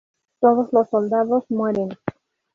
Todos los soldados mueren.